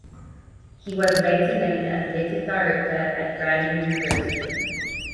He was later named athletic director at Brandon University.